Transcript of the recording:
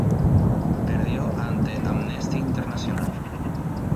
Perdió ante Amnesty International.